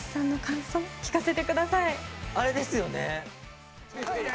あれですよね！！